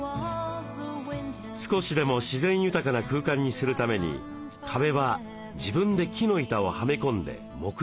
少しでも自然豊かな空間にするために壁は自分で木の板をはめ込んで木目調に。